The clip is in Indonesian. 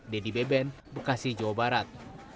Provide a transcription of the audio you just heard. dedy beben bekasi jawa barat